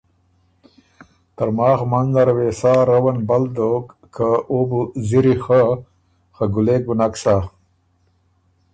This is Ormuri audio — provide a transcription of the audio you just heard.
ترماخ منځ نره وې سا روّن بل دوک که او بُو ځِری خۀ، خه ګلېک بُو نک سَۀ۔